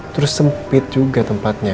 terus sempit juga tempatnya